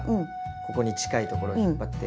ここに近いところを引っ張って。